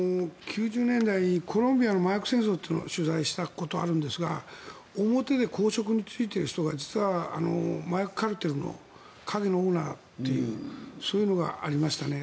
９０年代にコロンビアの麻薬戦争というのを取材をしたことがあるんですが表で公職に就いている人が実は麻薬カルテルの影のオーナーというそういうのがありましたね。